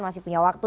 masih punya waktu